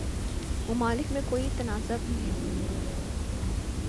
ممالک میں کوئی تنازع بھی ہے